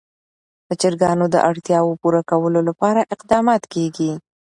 د چرګانو د اړتیاوو پوره کولو لپاره اقدامات کېږي.